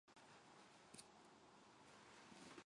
バリャドリッド県の県都はバリャドリッドである